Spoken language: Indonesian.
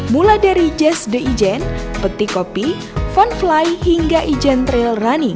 mulai dari jazz the ijen peti kopi fondfly hingga ijen trail runni